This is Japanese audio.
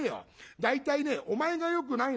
大体ねお前がよくないの。